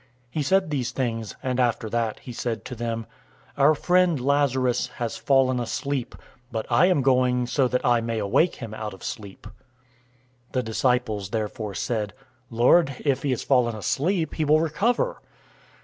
011:011 He said these things, and after that, he said to them, "Our friend, Lazarus, has fallen asleep, but I am going so that I may awake him out of sleep." 011:012 The disciples therefore said, "Lord, if he has fallen asleep, he will recover."